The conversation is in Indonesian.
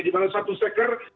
di mana satu steker